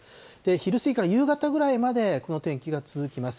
昼過ぎから夕方ぐらいまで、この天気が続きます。